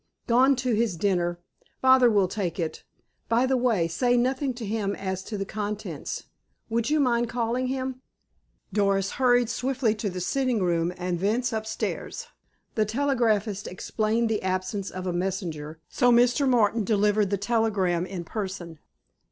"Gone to his dinner. Father will take it. By the way, say nothing to him as to the contents. Would you mind calling him?" Doris hurried swiftly to the sitting room, and thence upstairs. The telegraphist explained the absence of a messenger, so Mr. Martin delivered the telegram in person.